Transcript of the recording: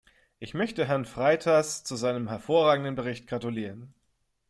Ich möchte Herrn Freitas zu seinem hervorragenden Bericht gratulieren.